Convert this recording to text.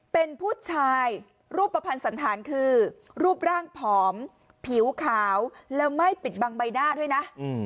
เป็นผู้ชายรูปประพันธ์สันธารคือรูปร่างผอมผิวขาวแล้วไม่ปิดบังใบหน้าด้วยนะ